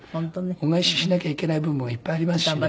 恩返ししなきゃいけない部分もいっぱいありますしね。